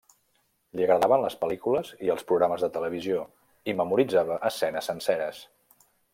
Li agradaven les pel·lícules i els programes de televisió i memoritzava escenes senceres.